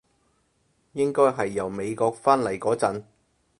應該係由美國返嚟嗰陣